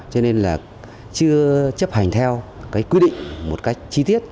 cho nên là chưa chấp hành theo cái quy định một cách chi tiết